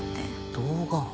動画。